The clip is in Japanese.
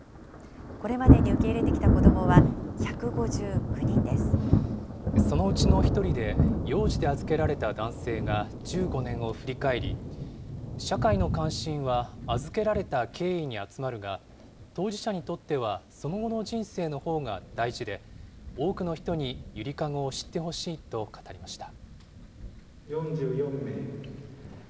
これまでに受け入れてきた子どもそのうちの一人で、幼児で預けられた男性が１５年を振り返り、社会の関心は預けられた経緯に集まるが、当事者にとっては、その後の人生のほうが大事で、多くの人にゆりかごを知ってほしいと語りました。